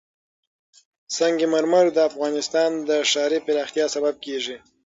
سنگ مرمر د افغانستان د ښاري پراختیا سبب کېږي.